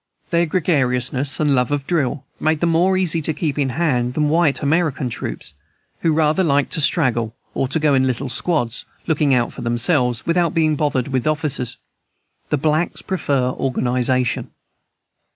Their gregariousness and love of drill made them more easy to keep in hand than white American troops, who rather like to straggle or go in little squads, looking out for themselves, without being bothered with officers. The blacks prefer organization.